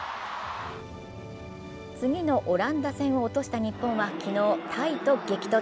次のオランダ戦を落とした日本は昨日、タイと激突。